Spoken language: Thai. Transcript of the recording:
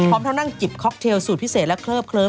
เข้านั่งจิบค็อกเทลสูตรพิเศษและเคลือบเคลิ้ม